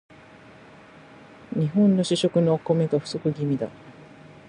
日本の主食のお米が不足気味だ